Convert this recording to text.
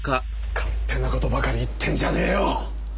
勝手な事ばかり言ってんじゃねえよ！